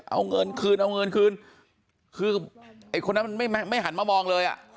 เอาเงินคืนเอาเงินคืนคือไอ้คนนั้นมันไม่ไม่หันมามองเลยอ่ะ